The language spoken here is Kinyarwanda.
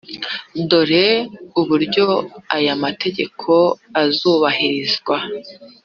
dore uburyo aya mategeko azubahirizwa